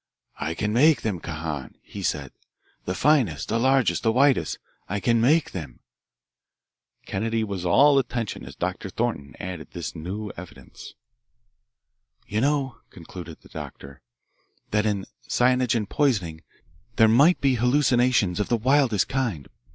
'I can make them, Kahan,' he said, 'the finest, the largest, the whitest I can make them.'" Kennedy was all attention as Dr. Thornton added this new evidence. "You know," concluded the doctor, "that in cyanogen poisoning there might be hallucinations of the wildest kind.